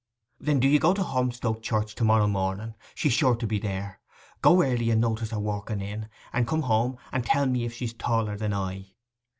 'Then do you go to Holmstoke church to morrow morning: she's sure to be there. Go early and notice her walking in, and come home and tell me if she's taller than I.